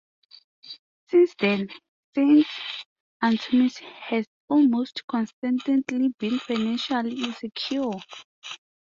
Since then, Saint Antony's has almost constantly been financially insecure.